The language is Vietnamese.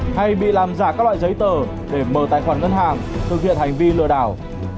hay bị làm giả các loại giấy tờ để mở tài khoản ngân hàng thực hiện hành vi lừa đảo